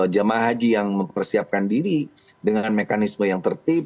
jemaah haji yang mempersiapkan diri dengan mekanisme yang tertib